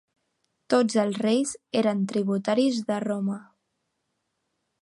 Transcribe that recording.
Tots els reis eren tributaris de Roma.